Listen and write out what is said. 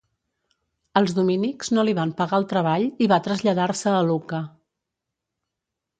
Els dominics no li van pagar el treball i va traslladar-se a Lucca.